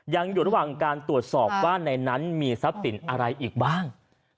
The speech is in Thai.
ยังอยู่ระหว่างการตรวจสอบว่าในนั้นมีทรัพย์สินอะไรอีกบ้าง